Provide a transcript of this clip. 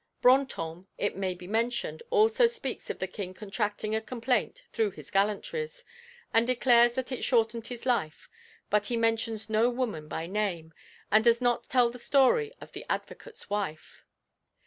Brantôme, it may be mentioned, also speaks of the King contracting a complaint through his gallantries, and declares that it shortened his life, but he mentions no woman by name, and does not tell the story of the advocate's wife.